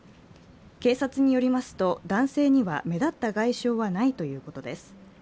警察によりますと、男性には目立った外傷はないということです。